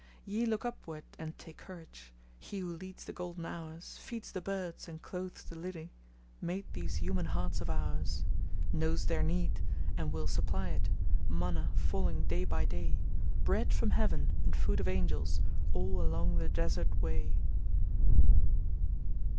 Ye look upward and take courage. He who leads the golden hours, Feeds the birds, and clothes the lily, made these human hearts of ours: Knows their need, and will supply it, manna falling day by day, Bread from heaven, and food of angels, all along the desert way.